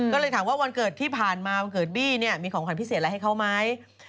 ก็เลยถามว่าวันเกิดที่ผ่านมาวันเกิดบี้เนี่ยมีของขวัญพิเศษอะไรให้เขาไหม